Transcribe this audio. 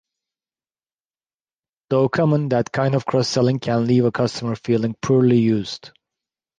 Though common, that kind of cross-selling can leave a customer feeling poorly used.